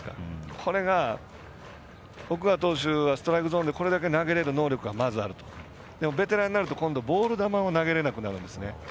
これが、奥川投手ストライクゾーンでこれだけ投げれる能力がまずあるとでも、ベテランになると今度、ボール球を投げれなくなるんです。